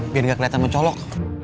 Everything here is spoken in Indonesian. biar gak keliatan mencolok